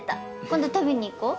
今度食べに行こう。